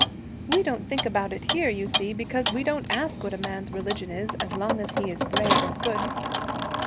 We don't think about it here, you see, because we don't ask what a man's religion is, as long as he is brave and good.'